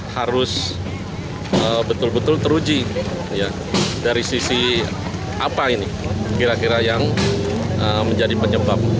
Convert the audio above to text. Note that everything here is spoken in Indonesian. harus betul betul teruji dari sisi apa ini kira kira yang menjadi penyebab